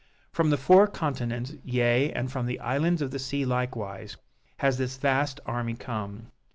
From the four continents, yea, and from the islands of the sea likewise, has this vast army come.